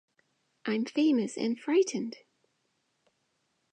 I'm Famous and Frightened!